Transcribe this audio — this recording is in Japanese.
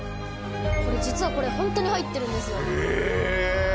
これ実はこれホントに入ってるんですよえ